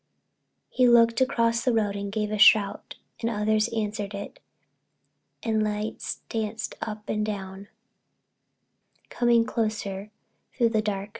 He looked across the road and gave a shout and others answered it, and lights danced up and down, coming closer through the dark.